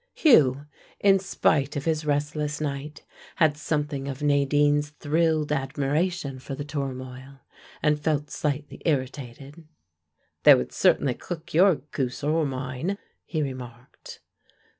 Hugh, in spite of his restless night, had something of Nadine's thrilled admiration for the turmoil, and felt slightly irritated. "They would certainly cook your goose or mine," he remarked.